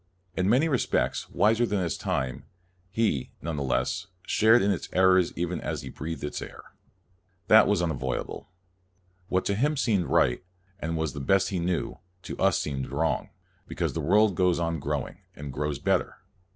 In many respects wiser than his time, he, never theless, shared in its errors, even as he breathed its air. That was unavoidable. What to him seemed right, and was the best he knew, to us seems wrong; because the world goes on growing, and grows better.